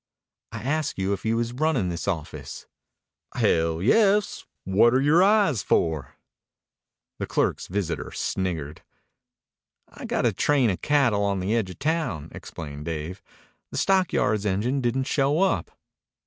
"I asked you if you was runnin' this office." "Hell, yes! What're your eyes for?" The clerk's visitor sniggered. "I've got a train of cattle on the edge of town," explained Dave. "The stockyards engine didn't show up."